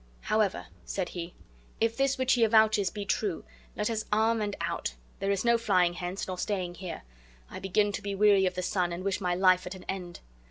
"However," said he, "if this which he avouches be true, let us arm and out. There is no flying hence, nor staying here. I begin to be weary of the sun, and wish my life at an end."